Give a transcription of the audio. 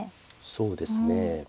そうですね。